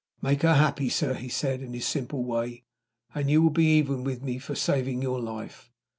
"Make her happy, sir," he said, in his simple way, "and you will be even with me for saving your life."